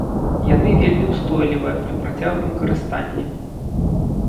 Яны вельмі ўстойлівыя пры працяглым карыстанні.